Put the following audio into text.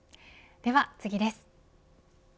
では次です。